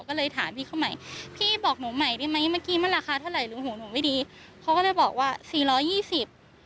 ก็เลยถามพี่เขาใหม่พี่บอกหนูใหม่ได้ไหมเมื่อกี้มันราคาเท่าไรหูหนูไม่ดี